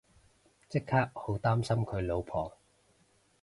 即刻好擔心佢老婆